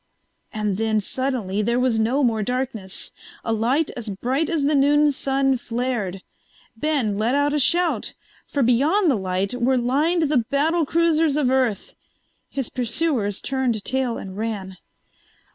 And then suddenly there was no more darkness. A light as bright as the noon sun flared. Ben let out a shout, for beyond the light were lined the battle cruisers of Earth. His pursuers turned tail and ran.